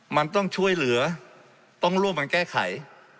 มันต้องช่วยเหลือต้องร่วมกันแก้ไข